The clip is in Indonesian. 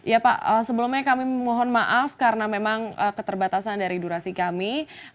ya pak sebelumnya kami mohon maaf karena memang keterbatasan dari durasi kami